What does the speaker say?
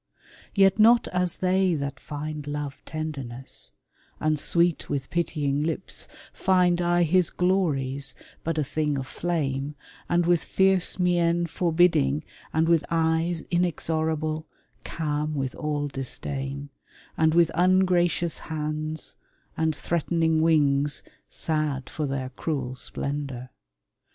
Yet not as they that find Love tenderness, and sweet with pitying lips, Find I his glories, but a thing of flame, And with fierce mien forbidding, and with eyes Inexorable, calm with all disdain, And with ungracious hands, and threatening wings, Sad for their cruel splendor.